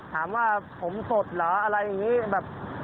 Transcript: ถามว่าผมสดเหรออะไรอย่างนี้แบบ